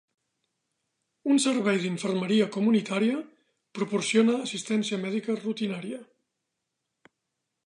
Un servei d'infermeria comunitària proporciona assistència mèdica rutinària.